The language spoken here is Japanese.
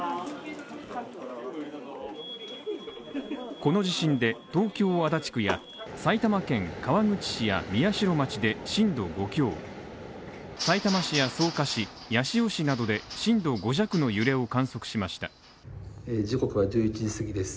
この地震で、東京・足立区や埼玉県川口市や宮代町で震度５強さいたま市や草加市、八潮市などで震度５弱の揺れを観測しました時刻は１１時過ぎです。